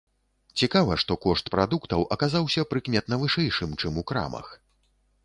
Цікава, што кошт прадуктаў аказаўся прыкметна вышэйшым чым у крамах.